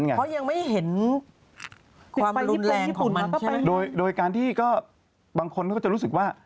เถอะพ่อยมีคนเตือนแต่ก็ยังมีคนทำอยู่นะคะ